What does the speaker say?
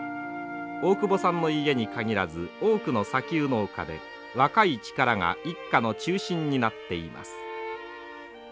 大久保さんの家に限らず多くの砂丘農家で若い力が一家の中心になっています。